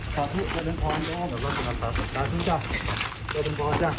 ขอทุกคนนึงพร้อมนะครับ